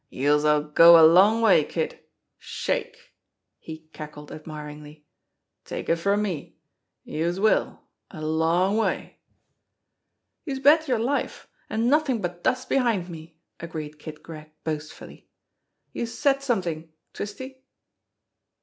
"Youse'll go a long way, Kid ! Shake !" he cackled ad miringly. "Take it from me, youse will a long way !" "Youse bet yer life an' nothin' but dust behind me!" agreed Kid Gregg boastfully. "Youse said somethin', Twisty